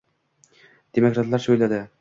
Demokratlarcha o‘yladi.